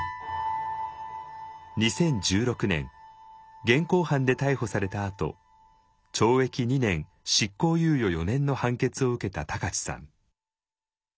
２０１６年現行犯で逮捕されたあと懲役２年執行猶予４年の判決を受けた高知さん。